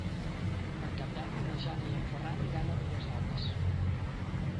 Per Cap d'Any na Jana i en Ferran iran a Ribesalbes.